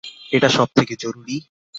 এটা সবথেকে জরুরি।